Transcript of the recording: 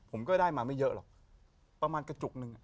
ผมก็ได้มาไม่เยอะหรอกประมาณกระจุกหนึ่งอ่ะ